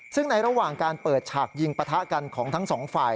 ซึ่งในระหว่างการเปิดฉากยิงปะทะกันของทั้งสองฝ่าย